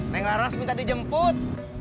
neng laras minta dijemput